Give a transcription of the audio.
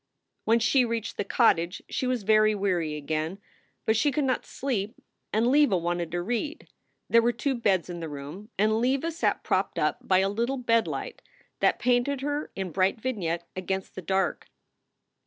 When she reached the cottage she was very weary again. But she could not sleep and Leva wanted to read. There were two beds in the room and Leva sat propped up by a little bed light that painted her in bright vignette against the dark.